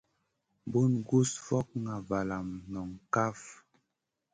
Bun gus fokŋa valam noŋ kaf.